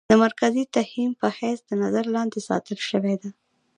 د مرکزي تهيم په حېث د نظر لاندې ساتلے شوې ده.